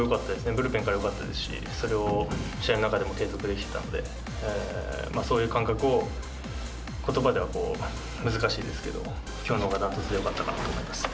ブルペンからよかったですし、それを試合の中でも継続できてたので、そういう感覚をことばではこう、難しいですけども、きょうのほうが断トツでよかったですね。